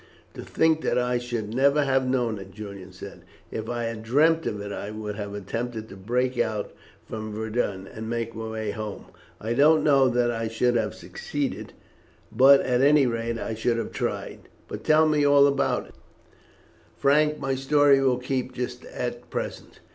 "To think that I should never have known it," Julian said. "If I had dreamt of it I would have attempted to break out from Verdun, and make my way home. I don't know that I should have succeeded, but at any rate I should have tried. But tell me all about it, Frank; my story will keep just at present."